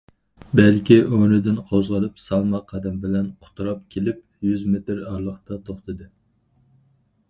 بەلكى ئورنىدىن قوزغىلىپ سالماق قەدەم بىلەن قۇتراپ كېلىپ يۈز مېتىر ئارىلىقتا توختىدى.